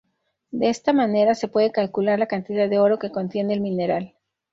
De esta manera se puede calcular la cantidad de oro que contiene el mineral.